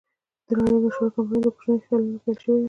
د نړۍ مشهوره کمپنۍ د کوچنیو خیالونو نه پیل شوې وې.